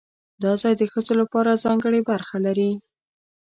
دا ځای د ښځو لپاره ځانګړې برخه لري.